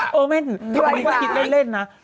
ถ้ามีความคิดเล่นนะ